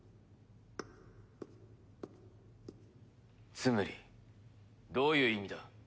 ツムリどういう意味だ？